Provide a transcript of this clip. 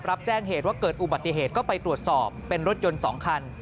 รับแจ้งเหตุว่าเกิดอุบัติเหตุก็ไปตรวจสอบเป็นรถยนต์๒คัน